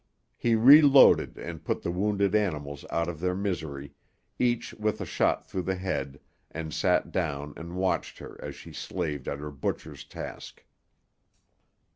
He reloaded and put the wounded animals out of their misery, each with a shot through the head, and sat down and watched her as she slaved at her butcher's task.